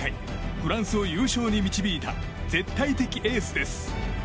フランスを優勝に導いた絶対的エースです。